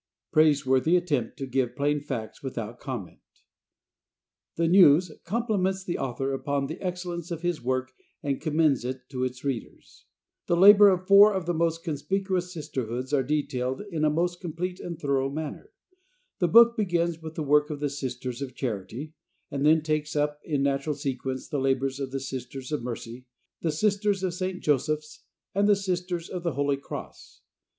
"Praiseworthy Attempt to Give Plain Facts Without Comment." The "News" compliments the author upon the excellence of his work and commends it to its readers. The labor of four of the most conspicuous Sisterhoods are detailed in a most complete and thorough manner. The book begins with the work of the Sisters of Charity, and then takes up in natural sequence the labors of the Sisters of Mercy, the Sisters of St. Joseph's and the Sisters of the Holy Cross.